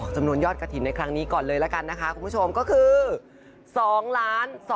จำนวนยอดกระถิ่นในครั้งนี้ก่อนเลยละกันนะคะคุณผู้ชมก็คือ